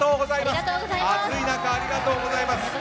暑い中、ありがとうございます！